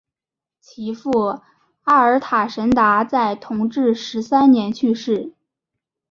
其父阿尔塔什达在同治十三年去世。